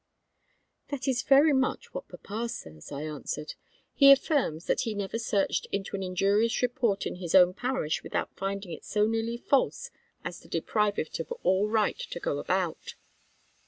"That's very much what papa says," I answered. "He affirms that he never searched into an injurious report in his own parish without finding it so nearly false as to deprive it of all right to go about."